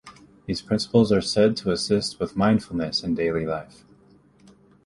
These principles are said to assist with mindfulness in daily life.